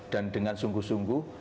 dan dengan sungguh sungguh